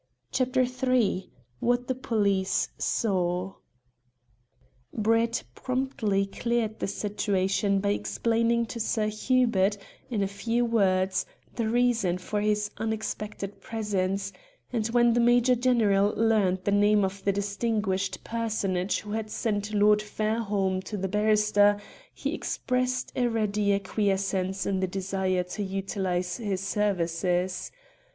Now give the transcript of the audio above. CHAPTER III WHAT THE POLICE SAW Brett promptly cleared the situation by explaining to Sir Hubert, in a few words, the reason for his unexpected presence, and when the Major General learnt the name of the distinguished personage who had sent Lord Fairholme to the barrister he expressed a ready acquiescence in the desire to utilise his services.